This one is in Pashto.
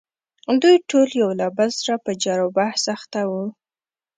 دوی ټول یو له بل سره په جر و بحث اخته وو.